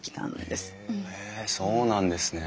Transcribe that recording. へえそうなんですね。